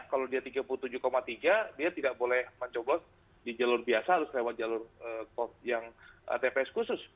kalau dia tiga puluh tujuh tiga dia tidak boleh mencoblos di jalur biasa harus lewat jalur yang tps khusus